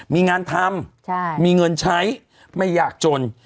มีงานทำมีเงินใช้ไม่อยากจน